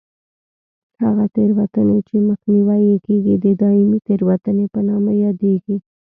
هغه تېروتنې چې مخنیوی یې کېږي د دایمي تېروتنې په نامه یادېږي.